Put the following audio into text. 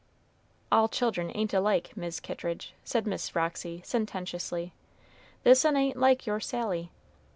"All children ain't alike, Mis' Kittridge," said Miss Roxy, sententiously. "This 'un ain't like your Sally.